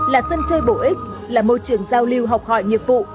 là sân chơi bổ ích là môi trường giao lưu học hỏi nghiệp vụ